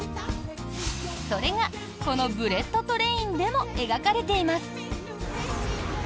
それがこの「ブレット・トレイン」でも描かれています。